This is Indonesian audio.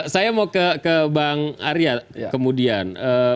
saya mau ke bang arya kemudian